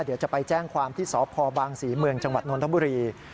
เดี๋ยวจะไปแจ้งความที่สพบางศรีเมืองจังหวัดนทบุรี